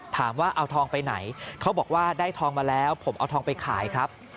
ถามว่าเอาทองไปไหนเขาบอกว่าได้ทองมาแล้วผมเอาทองไปขายครับ